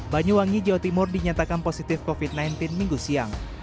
banyuwangi jawa timur dinyatakan positif covid sembilan belas minggu siang